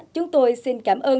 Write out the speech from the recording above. chúng tôi xin cảm ơn